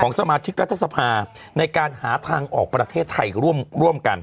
สมาชิกรัฐสภาในการหาทางออกประเทศไทยร่วมกัน